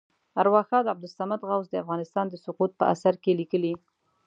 ارواښاد عبدالصمد غوث د افغانستان د سقوط په اثر کې لیکلي.